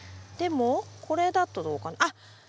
でもこれだとどうかな？